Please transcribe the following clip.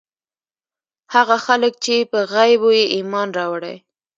هغه خلک چې په غيبو ئې ايمان راوړی